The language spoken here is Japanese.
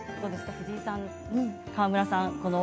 藤井さん、川村さん